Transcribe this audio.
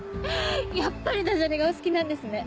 やっぱりダジャレがお好きなんですね！